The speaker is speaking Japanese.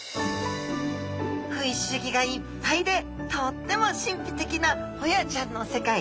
フィッシュギがいっぱいでとっても神秘的なホヤちゃんの世界。